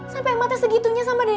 sampai emaknya segitunya sama dede